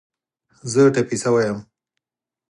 زه ټپې شوی یم